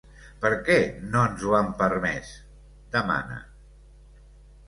Per què no ens ho han permès?, demana.